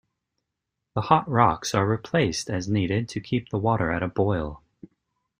The hot rocks are replaced as needed to keep the water at a boil.